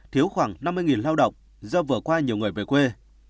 thiếu khoảng năm mươi lao động do vừa qua nhiều người về quê